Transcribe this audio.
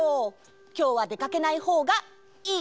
きょうはでかけないほうがいいかもね！